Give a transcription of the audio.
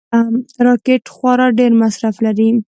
راکټ خورا ډېر مصرف لري